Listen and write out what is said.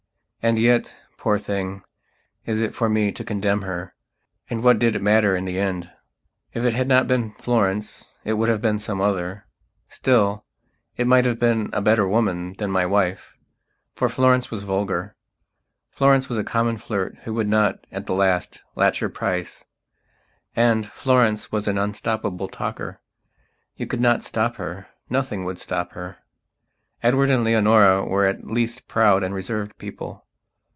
And yet, poor thing, is it for me to condemn herand what did it matter in the end? If it had not been Florence, it would have been some other... Still, it might have been a better woman than my wife. For Florence was vulgar; Florence was a common flirt who would not, at the last, lacher prise; and Florence was an unstoppable talker. You could not stop her; nothing would stop her. Edward and Leonora were at least proud and reserved people.